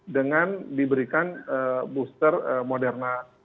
dengan diberikan booster moderna yang sudah dalam